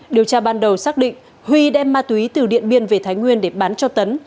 điều tra ban đầu xác định huy đem ma túy từ điện biên về thái nguyên để bán cho tấn